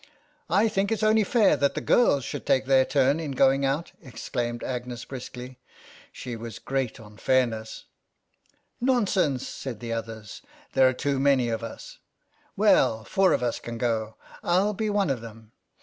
" I think it's only fair that the girls should take their turn in going out," exclaimed Agnes briskly. She was great on fairness. "Nonsense," said the others; "there are too many of us." "Well, four of us can go. I'll be one of them."